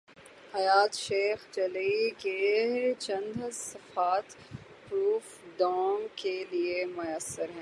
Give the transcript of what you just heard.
حیات شیخ چلی کے چند صفحات پروف دوم کے لیے میسر ہیں۔